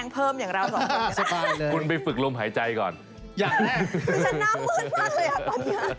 เพราะฉันน่าเมืองมากเลยครับปั๊ดเดี๋ยว